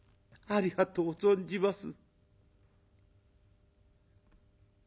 ありがとう存じます。